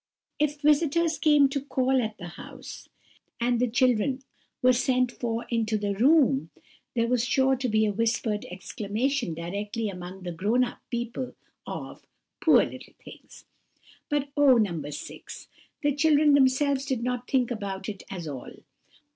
"If visitors came to call at the house, and the children were sent for into the room, there was sure to be a whispered exclamation directly among the grown up people of, 'Poor little things!' But oh, No. 6! the children themselves did not think about it at all.